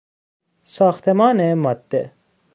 ساختمان ماده